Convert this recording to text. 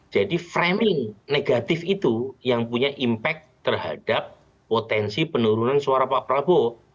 jadi framing negatif itu yang punya impact terhadap potensi penurunan suara pak prabowo